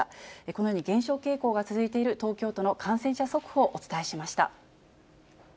このように減少傾向が続いている東京都の感染者速報、お伝えしま